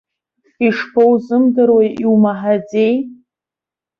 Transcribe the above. Ишԥоузымдыруеи, иумаҳаӡеи?!